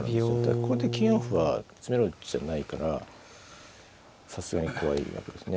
これで９四歩は詰めろじゃないからさすがに怖いわけですね。